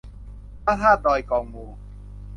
พระธาตุดอยกองมู